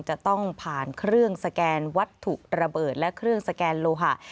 จะต้องผ่านเครื่องสแกนวัตถุระเบิดและเครื่องสแกนโลหะ